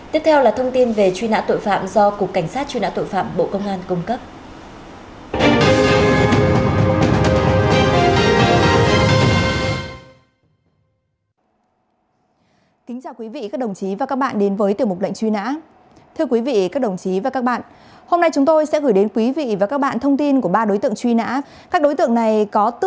tiếp theo là thông tin về truy nã tội phạm do cục cảnh sát truy nã tội phạm bộ công an cung cấp